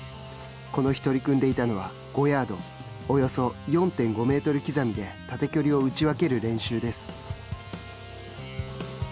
この日、取り組んでいたのは５ヤードおよそ４．５メートル刻みで縦距離を打ち分ける練習です。